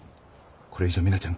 これ以上ミナちゃん